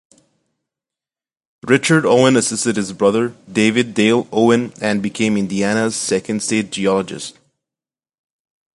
Richard Owen assisted his brother, David Dale Owen, and became Indiana's second state geologist.